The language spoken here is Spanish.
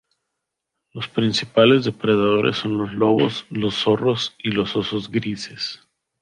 Los principales depredadores son los lobos, los zorros y los osos grises.